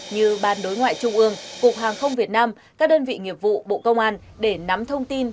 như ban đối ngoại trung ương cục hàng không việt nam các đơn vị nghiệp vụ bộ công an để nắm thông tin